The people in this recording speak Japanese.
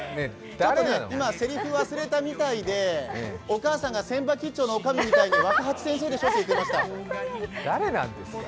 今、せりふを忘れたみたいで、お母さんが船場吉兆の女将みたいにわかはち先生でしょって言ってました。